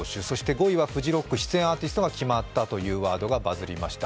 ５位はフジロック出演アーティストが決まったという話題がバズりました。